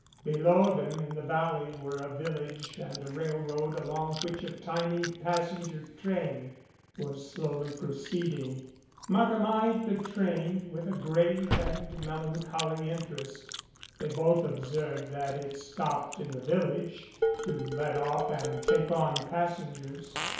Below them in the valley were a village and a rail road along which a tiny passenger train was slowly pro ceeding. Markham eyed the train with a grave and mel ancholy interest. They both observed that it stopped in the village to let off and take on passengers.